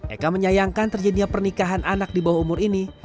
eka menyayangkan terjadinya pernikahan anak di bawah umur ini